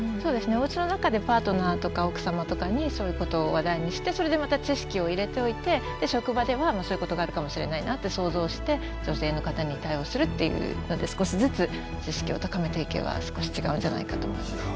おうちの中でパートナーとか奥様とかにそういうことを話題にしてそれでまた知識を入れておいて職場ではそういうことがあるかもしれないなって想像して女性の方に対応するっていうので少しずつ知識を高めていけば少し違うんじゃないかと思います。